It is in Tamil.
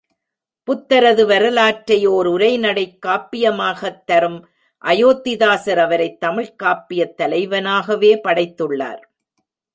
புத்தரது வரலாற்றை ஓர் உரைநடைக்காப்பியமாகத் தரும் அயோத்திதாசர் அவரைத் தமிழ்க் காப்பியத் தலைவனாகவே படைத்துள்ளார்.